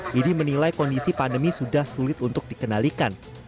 jadi menilai kondisi pandemi sudah sulit untuk dikenalikan